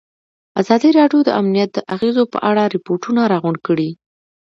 ازادي راډیو د امنیت د اغېزو په اړه ریپوټونه راغونډ کړي.